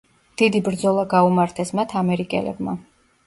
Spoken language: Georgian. დიდი ბრძოლა გაუმართეს მათ ამერიკელებმა.